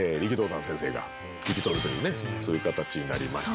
そういう形になりまして。